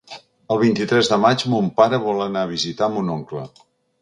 El vint-i-tres de maig mon pare vol anar a visitar mon oncle.